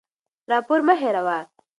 راپور مه هېروه.